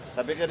saya pikir itu